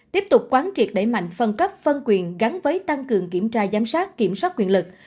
tiếp tục quán triệt đẩy mạnh phân cấp phân quyền gắn với tăng cường kiểm tra giám sát kiểm soát quyền lực